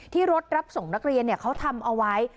ที่รถรับส่งนักเรียนเนี่ยเขาทำเอาไว้